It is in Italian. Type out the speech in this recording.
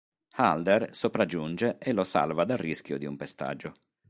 Halder sopraggiunge e lo salva dal rischio di un pestaggio.